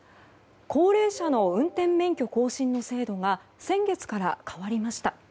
高齢者の運転免許更新の制度が先月から変わりました。